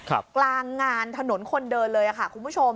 กลางงานถนนคนเดินเลยค่ะคุณผู้ชม